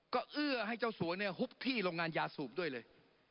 ก็เอื้อให้เจ้าสัวเนี่ยฮุบที่โรงงานยาสูบด้วยเลย